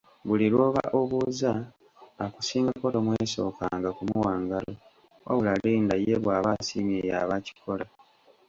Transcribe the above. Buli lw’oba obuuza, akusingako tomwesokanga kumuwa ngalo, wabula linda ye bw’aba asiimye y’aba akikola.